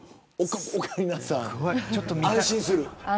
オカリナさん安心する。